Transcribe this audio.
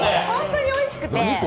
本当においしくて。